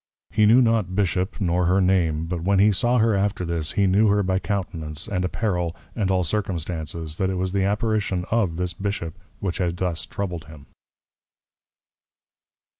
He knew not Bishop, nor her Name; but when he saw her after this, he knew by her Countenance, and Apparel, and all Circumstances, that it was the Apparition of this Bishop, which had thus troubled him.